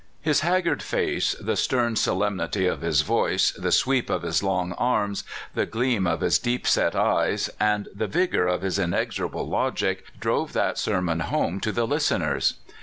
His haggard face, the stern solemnity of his voice, the sweep of his long arms, the gleam of his deep set eyes, and the vigor of his inexorable logic, drove that sermon home to the listeners.